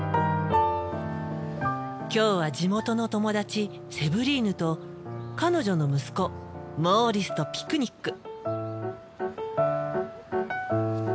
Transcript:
今日は地元の友達セヴリーヌと彼女の息子モーリスとピクニック。